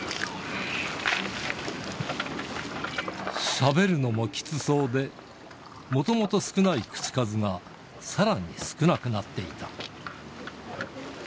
しゃべるのもきつそうで、もともと少ない口数が、さらに少なくなっていた。